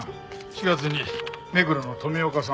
４月に目黒の富岡さん。